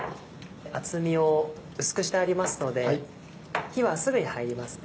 厚みを薄くしてありますので火はすぐに入りますね。